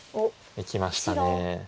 いきました。